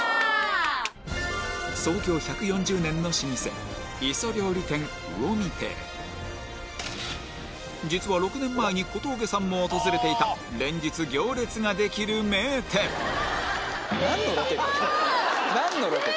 創業１４０年の老舗実は６年前に小峠さんも訪れていた連日行列ができる名店何のロケ？